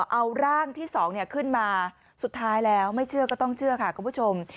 เอาร่างที่๒ขึ้นมาสุดท้ายแล้วไม่เชื่อก็ต้องเชื่อค่ะคุณผู้ชม